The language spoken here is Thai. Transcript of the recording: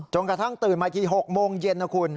กระทั่งตื่นมากี่๖โมงเย็นนะคุณ